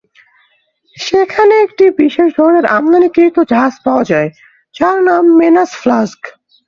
সেখানে একটি বিশেষ ধরনের আমদানিকৃত জাহাজ পাওয়া যায়, যার নাম মেনাস ফ্লাস্ক।